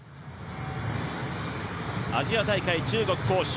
アジア大会、中国・杭州。